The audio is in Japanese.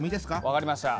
分かりました。